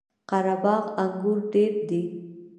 قره باغ انګور ډیر دي؟